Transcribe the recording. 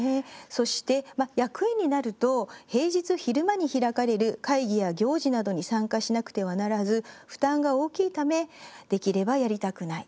そして、役員になると平日昼間に開かれる会議や行事などに参加しなくてはならず負担が大きいためできればやりたくない。